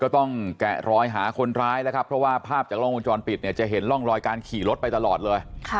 เพราะว่าภาพจากร่องโมนจรปิดเนี่ยจะเห็นร่องรอยการขี่รถไปตลอดเลย